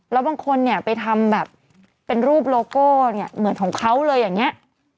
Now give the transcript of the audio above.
แล้วบางคนเนี่ยไปทำแบบเป็นรูปโลโก้เนี่ยเหมือนของเขาเลยอย่างนี้